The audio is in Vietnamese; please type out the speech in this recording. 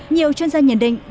nhiều chuyên gia nhận định